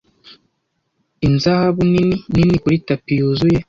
inzahabu nini nini kuri tapi yuzuye